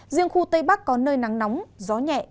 riêng khu tây bắc có nơi nắng nóng gió nhẹ